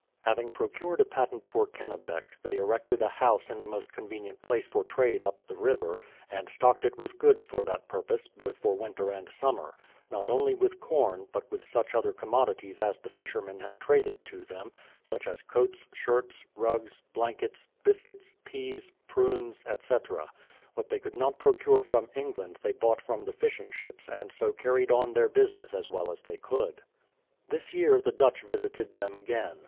Having procured a patent for Kennebec, they erected a house in the most convenient place for trade up the river, and stocked it with goods for that purpose, both for winter and summer; not only with corn, but with such other 192 BRADFORD'S HISTORY OF commodities as the fishermen had traded to them, such as coats, shirts, rugs, blankets, biscuits, peas, prunes, etc. What they could not procure from England they bought from the fishing ships and so carried on their business as well as they could. This year the Dutch visited them again.